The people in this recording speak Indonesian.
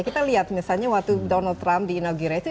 kita lihat misalnya waktu donald trump di inaugurasi